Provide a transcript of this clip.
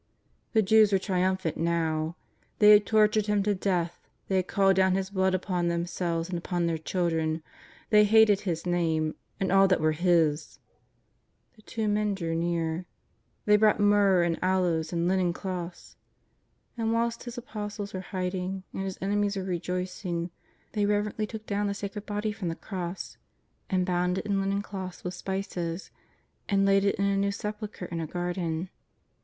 The Jews were trium phant now. They had tortured Him to death, they had called down His blood upon themselves and upon their children, they hated His Name and all that were His. The two men drew near. They brought myrrh and aloes and linen cloths. And, whilst His Apostles were hiding and His enemies were rejoicing, they reverently took down the sacred body from the cross and bound it in linen cloths wdth spices, and laid it in a new sepulchre in a garden.